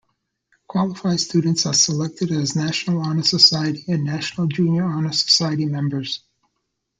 Qualified students are selected as National Honor Society and National Junior Honor Society members.